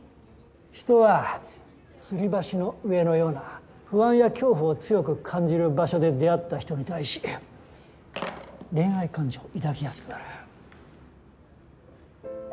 人は吊り橋の上のような不安や恐怖を強く感じる場所で出会った人に対し恋愛感情を抱きやすくなる。